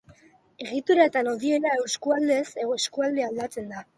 Egitura eta lodiera eskualdez eskualde aldatzen da.